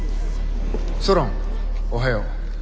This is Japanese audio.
ソロンおはよう。